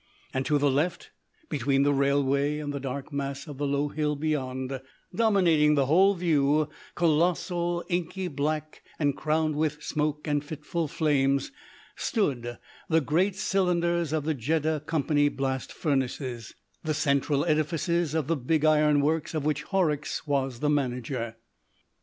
And to the left, between the railway and the dark mass of the low hill beyond, dominating the whole view, colossal, inky black, and crowned with smoke and fitful flames, stood the great cylinders of the Jeddah Company Blast Furnaces, the central edifices of the big ironworks of which Horrocks was the manager.